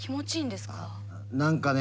何かね